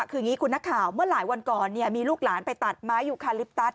คืออย่างนี้คุณนักข่าวเมื่อหลายวันก่อนมีลูกหลานไปตัดไม้ยูคาลิปตัส